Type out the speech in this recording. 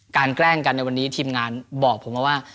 แกล้งกันในวันนี้ทีมงานบอกผมมาว่า